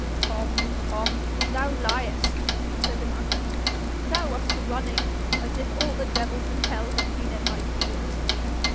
'Tom! Tom! thou liest,' said the marquis. 'Thou wast running as if all the devils in hell had been at thy heels.'